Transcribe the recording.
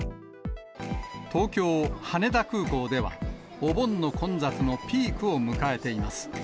東京・羽田空港では、お盆の混雑のピークを迎えています。